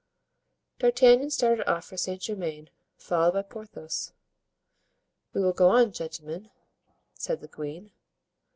D'Artagnan started off for Saint Germain, followed by Porthos. "We will go on, gentlemen," said the queen.